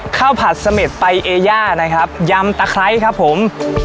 ผัดเสม็ดไปเอย่านะครับยำตะไคร้ครับผม